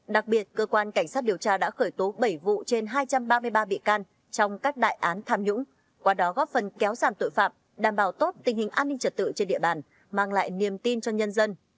đặc biệt cơ quan cảnh sát điều tra đã khởi tố bảy vụ trên hai trăm ba mươi ba bị can trong các đại án tham nhũng qua đó góp phần kéo giảm tội phạm đảm bảo tốt tình hình an ninh trật tự trên địa bàn mang lại niềm tin cho nhân dân